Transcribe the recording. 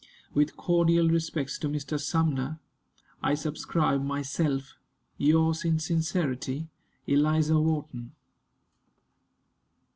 With cordial respects to Mr. Sumner, I subscribe myself, yours in sincerity, ELIZA WHARTON.